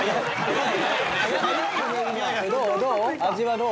どう？